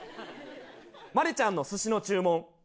マリちゃんの寿司の注文